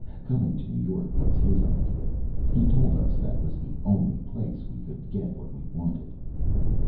Coming to New York was his idea he told us that was the only place we could get what we wanted.